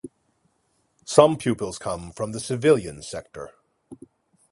Some pupils come from the civilian sector.